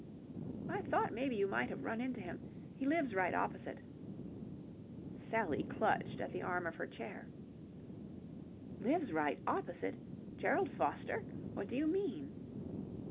"I thought maybe you might have run into him. He lives right opposite." Sally clutched at the arm of her chair. "Lives right opposite? Gerald Foster? What do you mean?"